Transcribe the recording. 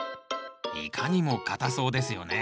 いかにも硬そうですよね。